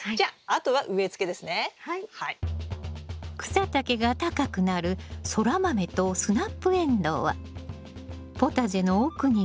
草丈が高くなるソラマメとスナップエンドウはポタジェの奥に植え